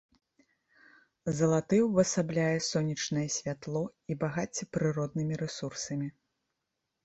Залаты ўвасабляе сонечнае святло і багацце прыроднымі рэсурсамі.